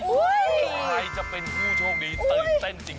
ใครจะเป็นผู้โชคดีตื่นเต้นจริง